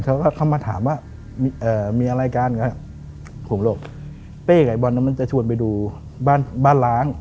เขาก็เข้ามาถามว่ามีอะไรกันผมบอกเป้กับไอบอลมันจะชวนไปดูบ้านล้าง